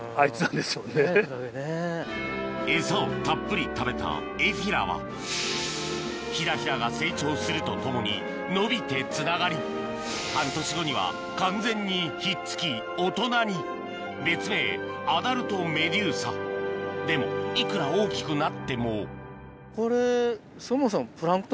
エサをたっぷり食べたエフィラはひだひだが成長するとともに伸びてつながり半年後には完全にひっつき大人に別名でもいくら大きくなってもそもそも。